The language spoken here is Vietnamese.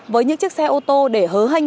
với những chiếc xe ô tô để hớ hênh